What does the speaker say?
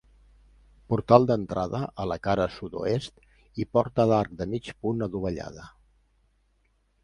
Portal d'entrada, a la cara sud-oest i porta d'arc de mig punt adovellada.